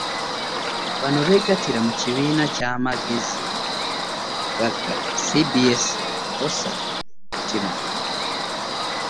Bano beegattira mu kibiina kya Magezi Bugagga CBS PEWOSA MITIMA.